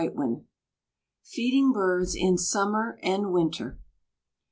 FEEDING BIRDS IN SUMMER AND WINTER.